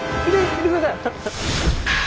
見てください！